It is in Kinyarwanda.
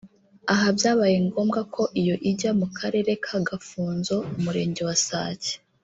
Aha byabaye ngombwa ko iyo ijya mu kagari ka Gafunzo umurenge wa Sake